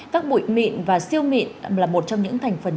các bụi mịn và siêu mịn là một trong những thành phần